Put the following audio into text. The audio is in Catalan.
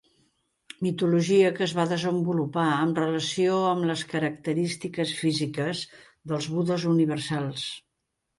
Mitologia que es va desenvolupar en relació amb les característiques físiques dels budes universals.